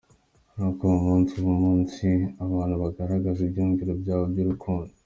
Nuko uwo munsi uba umunsi abantu bagaragaza ibyiyumviro byabo by’urukundo.